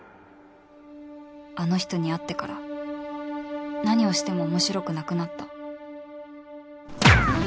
あの人に会ってから何をしても面白くなくなった